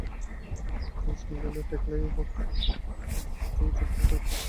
French মিডফিল্ডারের ট্যাকলেই পরশু চোট পেয়ে চোখের জলে মাঠ ছেড়েছেন ক্রিস্টিয়ানো রোনালদো।